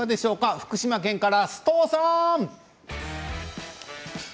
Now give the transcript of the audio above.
福島県から須藤さん。